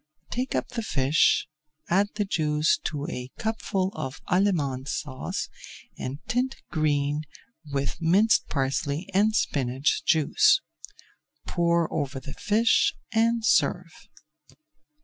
Take up the fish, add the juice to a cupful of Allemande Sauce and tint green with minced parsley and spinach juice. Pour over the fish and serve.